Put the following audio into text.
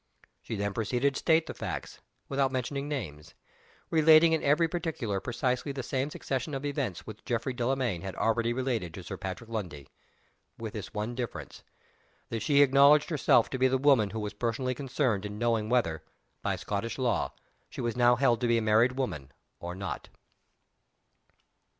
She then proceeded to state the facts, without mentioning names: relating in every particular precisely the same succession of events which Geoffrey Delamayn had already related to Sir Patrick Lundie with this one difference, that she acknowledged herself to be the woman who was personally concerned in knowing whether, by Scottish law, she was now held to be a married woman or not.